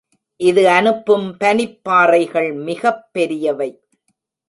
இது அனுப்பும் பனிப் பாறைகள் மிகப் பெரியவை.